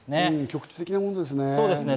局地的なものですね。